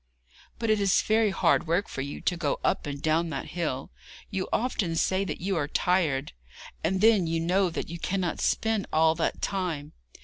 'But it is very hard work for you to go up and down that hill. You often say that you are tired. And then you know that you cannot spin all that time.